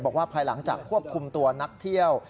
ภายหลังจากควบคุมตัวนักเที่ยว